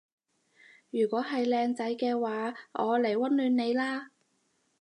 如果係靚仔嘅話我嚟溫暖你啦